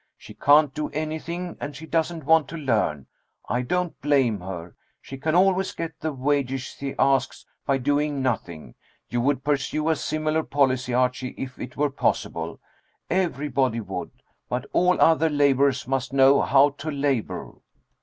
She can't do anything and she doesn't want to learn. I don't blame her. She can always get the wages she asks by doing nothing. You would pursue a similar policy, Archie, if it were possible. Everybody would. But all other laborers must know how to labor."